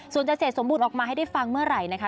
ส่วนจะเสร็จสมบูรณ์ออกมาให้ได้ฟังเมื่อไหร่นะคะ